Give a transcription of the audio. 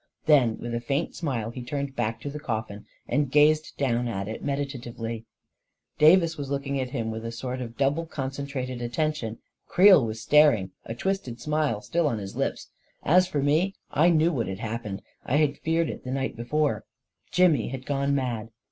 Then, with a faint smile, he turned back to the coffin, and gazed down at it meditatively. Davis was looking at him with a sort of double concentrated attention; Creel was staring, a twisted smile still on his lips ; as for me — I knew what had happened — I had feared it the night before —> Jimmy had gone mad